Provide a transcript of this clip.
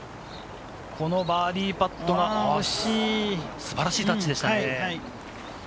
このバーディーパットが、素晴らしいタッチでしたね。